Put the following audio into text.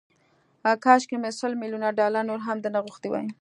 کاشکي مې سل ميليونه ډالر نور هم درنه غوښتي وای.